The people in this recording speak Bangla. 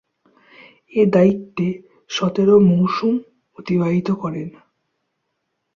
এ দায়িত্বে সতেরো মৌসুম অতিবাহিত করেন।